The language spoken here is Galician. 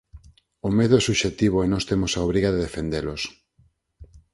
O medo é subxectivo e nós temos a obriga de defendelos.